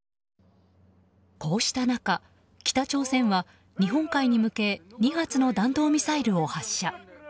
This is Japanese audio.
こうした中、北朝鮮は日本海に向け２発の弾道ミサイルを発射。